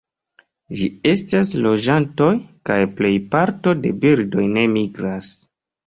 Ĝi estas loĝantoj, kaj plej parto de birdoj ne migras.